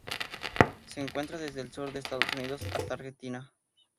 Se encuentra desde el sur de Estados Unidos hasta Argentina.